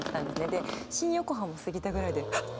で新横浜過ぎたぐらいでハッ！